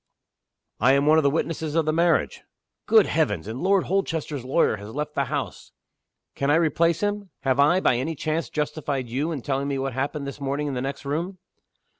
"I am one of the witnesses of the marriage." "Good Heavens! And Lord Holchester's lawyer has left the house!" "Can I replace him? Have I, by any chance justified you in telling me what happened this morning in the next room?"